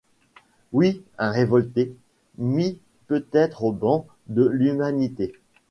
Oui, un révolté, mis peut-être au ban de l’humanité